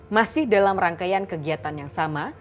masih dalam rangkaian kegiatan yang sama